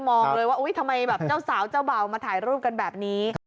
มองเลยว่าอุ๊ยทำไมแบบเจ้าสาวเจ้าเบามาถ่ายรูปกันแบบนี้